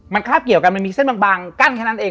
มันคาบเกี่ยวกันมันมีเส้นบางกั้นแค่นั้นเอง